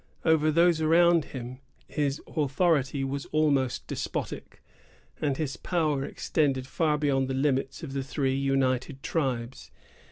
Over those around him his authority was almost despotic, and his power extended far beyond the limits of the three united tribes.